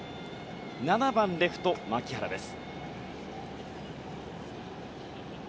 ７番レフト、牧原です。